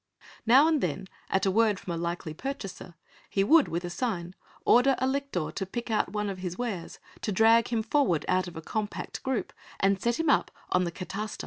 Now and then at a word from a likely purchaser he would with a sign order a lictor to pick out one of his wares, to drag him forward out of a compact group and set him up on the catasta.